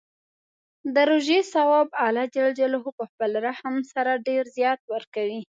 د روژې ثواب الله په خپل رحم سره ډېر زیات ورکوي.